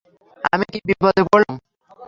আমি কি বিপদে পড়লাম?